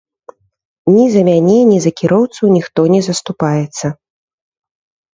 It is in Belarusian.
Ні за мяне, ні за кіроўцу ніхто не заступаецца.